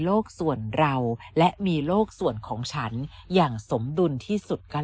ส่วนเราและมีโลกส่วนของฉันอย่างสมดุลที่สุดกัน